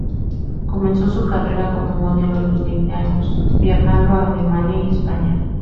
Comenzó su carrera como modelo a los veinte años, viajando a Alemania y España.